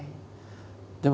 でも